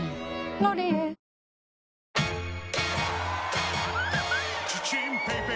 「ロリエ」わ！